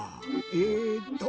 えっと